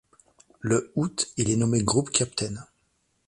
Le août, il est nommé Group Captain.